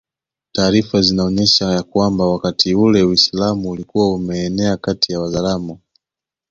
Taarifa zinaonyesha ya kwamba wakati ule Uislamu ulikuwa umeenea kati ya Wazaramo